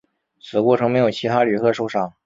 此过程没有其他旅客受伤。